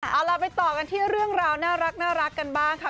เอาล่ะไปต่อกันที่เรื่องราวน่ารักกันบ้างค่ะ